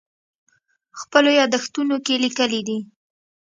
خپلو یادښتونو کې لیکلي دي.